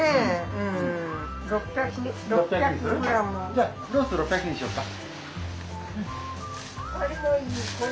じゃあロース６００にしようか。